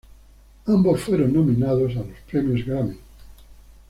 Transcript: Ambos fueron nominados a los premios Grammy.